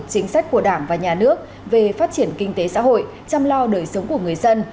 chính sách của đảng và nhà nước về phát triển kinh tế xã hội chăm lo đời sống của người dân